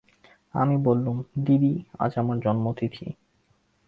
আমি বললুম, দিদি, আজ আমার জন্মতিথি।